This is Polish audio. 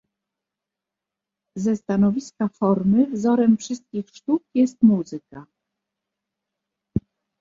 Ze stanowiska formy wzorem wszystkich sztuk jest muzyka.